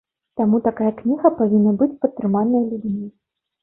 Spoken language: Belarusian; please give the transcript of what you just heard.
Таму такая кніга павінна быць падтрыманая людзьмі!